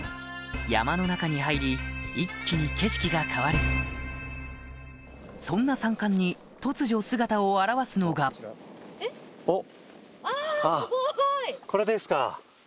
・山の中に入り一気に景色が変わるそんな山間に突如姿を現すのがおっ。